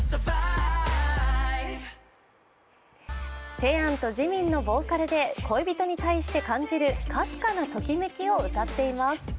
テヤンとＪＩＭＩＮのボーカルで恋人に対して感じるかすかなトキメキを歌っています。